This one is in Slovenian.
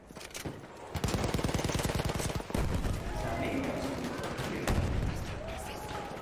Zamenjal si me za drugega.